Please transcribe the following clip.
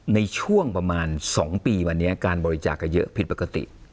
ในช่วงประมาณ๒ปีวันนี้การบริจาคก็เยอะผิดปกติ